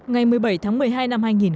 ngày một mươi bảy tháng một mươi hai